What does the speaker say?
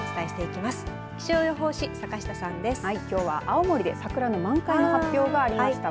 きょうは青森で桜の満開の発表がありました。